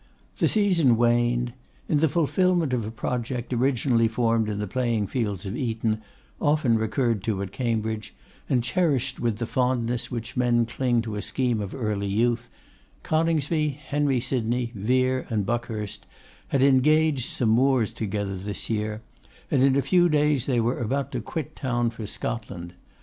The season waned. In the fulfilment of a project originally formed in the playing fields of Eton, often recurred to at Cambridge, and cherished with the fondness with which men cling to a scheme of early youth, Coningsby, Henry Sydney, Vere, and Buckhurst had engaged some moors together this year; and in a few days they were about to quit town for Scotland.